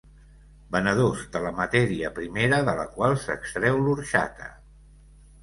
Venedors de la matèria primera de la qual s'extreu l'orxata.